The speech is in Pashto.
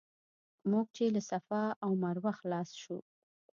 موږ چې له صفا او مروه خلاص شو.